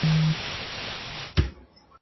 دا سندري پردۍ نه دي حال مي خپل درته لیکمه !.